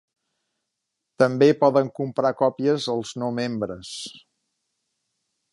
També poden comprar còpies els no membres.